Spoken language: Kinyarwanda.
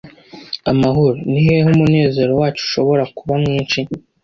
Amahoro? Ni hehe umunezero wacyo ushobora kuba mwinshi?